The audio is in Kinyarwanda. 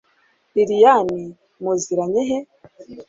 liliane muziranye hehe